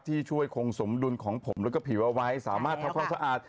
ที่ช่วยคงสมดุลของผมแล้วก็ผิวเอาไว้สามารถทำความสะอาด